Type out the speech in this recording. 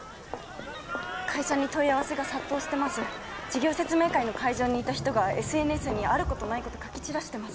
会社に問い合わせが殺到してます事業説明会の会場にいた人がＳＮＳにあることないこと書き散らしてます